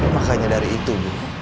makanya dari itu bu